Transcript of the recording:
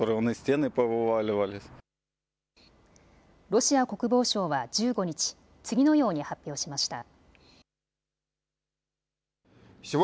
ロシア国防省は１５日、次のように発表しました。